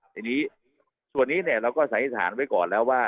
ทีนี้ส่วนนี้เราก็สันนิษฐานไว้ก่อนแล้วว่า